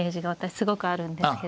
すごくあるんですけれども。